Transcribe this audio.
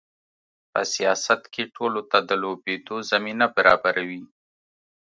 په سیاست کې ټولو ته د لوبېدو زمینه برابروي.